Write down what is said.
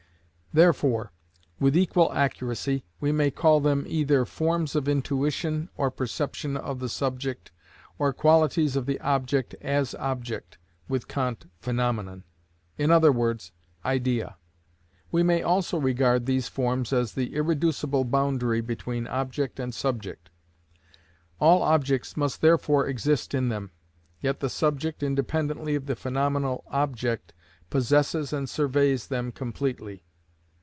Therefore, with equal accuracy, we may call them either forms of intuition or perception of the subject, or qualities of the object as object (with Kant, phenomenon), i.e., idea. We may also regard these forms as the irreducible boundary between object and subject. All objects must therefore exist in them, yet the subject, independently of the phenomenal object, possesses and surveys them completely.